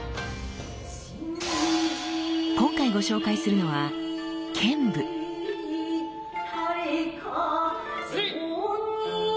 今回ご紹介するのはえい！